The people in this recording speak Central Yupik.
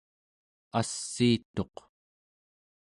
assiituq